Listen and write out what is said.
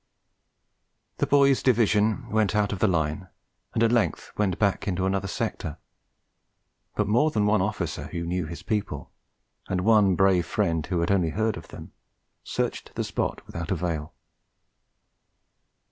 The boy's Division went out of the Line, and at length went back into another sector; but more than one officer who knew his people, and one brave friend who had only heard of them, searched the spot without avail.